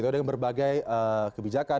dengan berbagai kebijakan